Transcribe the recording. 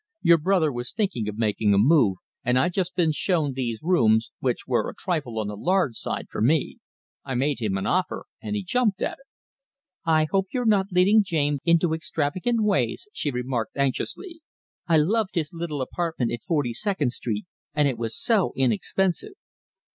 Your brother was thinking of making a move, and I'd just been shown these rooms, which were a trifle on the large side for me. I made him an offer and he jumped at it." "I hope you're not leading James into extravagant ways," she remarked anxiously. "I loved his little apartment in Forty Second Street and it was so inexpensive."